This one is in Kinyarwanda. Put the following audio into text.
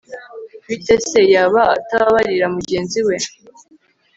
bite se? yaba atababarira mugenzi we